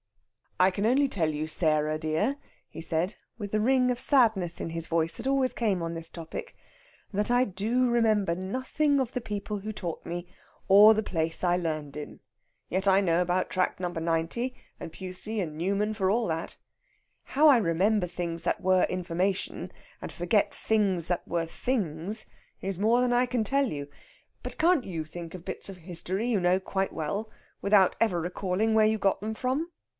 "I can only tell you, Sarah dear," he said, with the ring of sadness in his voice that always came on this topic, "that I do remember nothing of the people who taught me, or the place I learned in. Yet I know about Tract No. 90, and Pusey and Newman, for all that. How I remember things that were information, and forget things that were things, is more than I can tell you. But can't you think of bits of history you know quite well, without ever recalling where you got them from?"